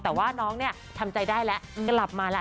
แต่ว่าน้องเนี่ยทำใจได้แล้วกลับมาแล้ว